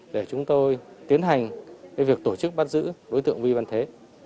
để chúng tôi tiến hành việc tổ chức bắt giữ đối tượng vi văn thế